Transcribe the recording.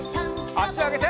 あしあげて。